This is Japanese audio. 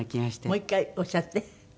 もう１回おっしゃって。